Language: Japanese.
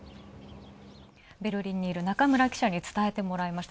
ベルリンにいる中村記者につたえてもらいました。